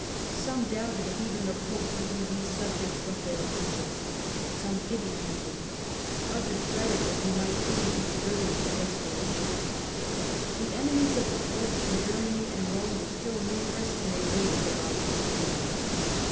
Some doubted if even the pope could release subjects from their allegiance ; some pitied Henry; others dreaded what he might do if driven to desperation. The enemies of the pope in Germany and Rome were still numerous, and they waited their opportunity.